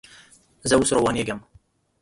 زه اوس روانېږم